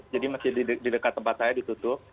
jadi masih di dekat tempat saya ditutup